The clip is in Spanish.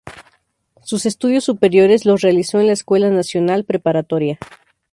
Sus estudios superiores los realizó en la Escuela Nacional Preparatoria.